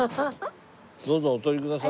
どうぞお取りください。